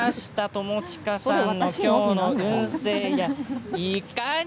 友近さんの今日の運勢やいかに。